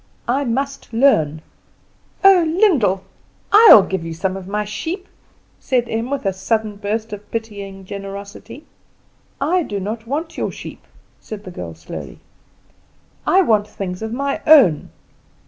I must learn." "Oh, Lyndall! I will give you some of my sheep," said Em, with a sudden burst of pitying generosity. "I do not want your sheep," said the girl slowly; "I want things of my own.